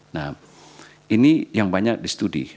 nah ini yang banyak di studi